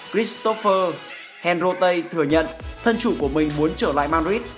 christopher henrotay thừa nhận thân chủ của mình muốn trở lại madrid